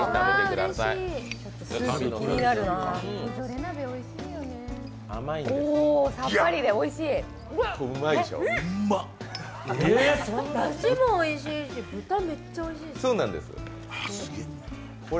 だしもおいしいし、豚、めっちゃおいしいです。